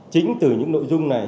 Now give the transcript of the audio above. chính từ những nội dung này